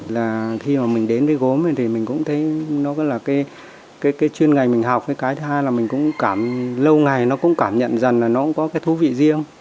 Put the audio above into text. là khi mà mình đến với gốm thì mình cũng thấy nó là cái chuyên ngành mình học cái thứ hai là mình cũng cảm lâu ngày nó cũng cảm nhận rằng là nó cũng có cái thú vị riêng